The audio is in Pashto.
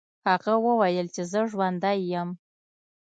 هغه وویل چې زه ژوندی یم.